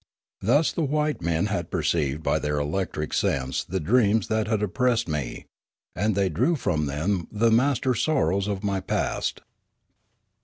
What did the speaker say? Thus the wise men had perceived by their electric sense the dreams that had oppressed me, and they drew from them "the 'master sorrows of my past.